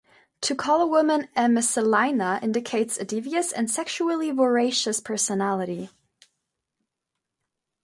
To call a woman 'a Messalina' indicates a devious and sexually voracious personality.